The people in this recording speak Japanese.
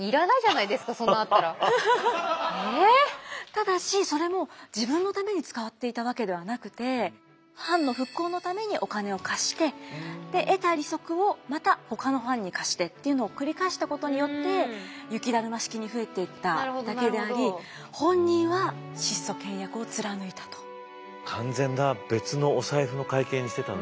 ただしそれも自分のために使っていたわけではなくて藩の復興のためにお金を貸してで得た利息をまたほかの藩に貸してっていうのを繰り返したことによって雪だるま式に増えていっただけであり完全な別のお財布の会計にしてたんだ。